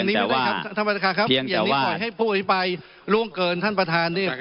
อันนี้ไม่ได้ครับท่านประธานครับอย่างนี้ปล่อยให้ผู้อภิปรายล่วงเกินท่านประธานเนี่ย